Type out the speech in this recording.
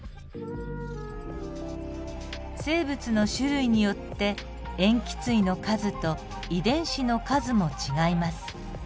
生物の種類によって塩基対の数と遺伝子の数も違います。